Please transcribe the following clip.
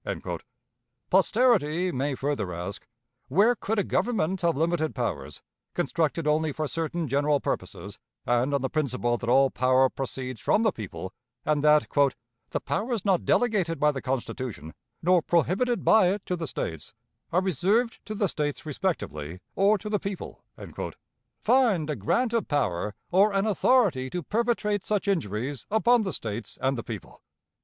Posterity may further ask, Where could a government of limited powers, constructed only for certain general purposes and on the principle that all power proceeds from the people, and that "the powers not delegated by the Constitution, nor prohibited by it to the States, are reserved to the States respectively, or to the people" find a grant of power, or an authority to perpetrate such injuries upon the States and the people?